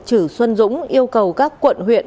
chử xuân dũng yêu cầu các quận huyện